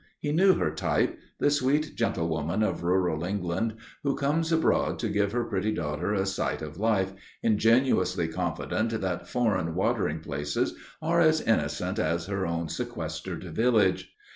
He knew her type the sweet gentlewoman of rural England who comes abroad to give her pretty daughter a sight of life, ingenuously confident that foreign watering places are as innocent as her own sequestered village.